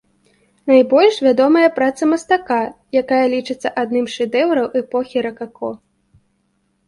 Найбольш вядомая праца мастака, якая лічыцца адным з шэдэўраў эпохі ракако.